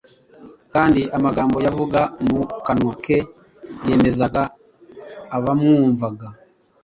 kandi amagambo yavaga mu kanwa ke yemezaga abamwumvaga